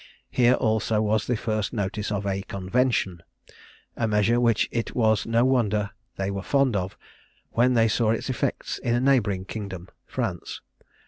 Here also was the first notice of a Convention; a measure which it was no wonder they were fond of, when they saw its effects in a neighbouring kingdom (France).